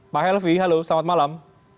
pak helvi halo selamat malam